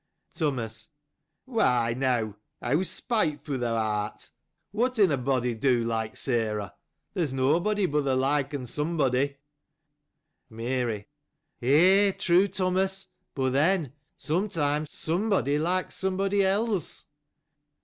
Thomas. — Whoo !— now !— How spiteful thou art ! What if a body do like Sarah ? There is nobody, but likes sombody. Mary. — Ay, true, Thomas : but then, sometimes, somebody likes somebody else.